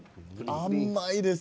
甘いです。